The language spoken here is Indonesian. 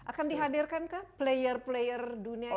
akan dihadirkan ke player player dunia ini